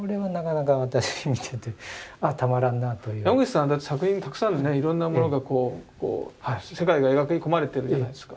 山口さんだって作品たくさんねいろんなものがこう世界が描き込まれてるじゃないですか。